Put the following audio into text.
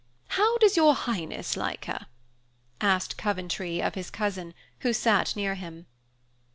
How does your highness like her?" asked Coventry of his cousin, who sat near him.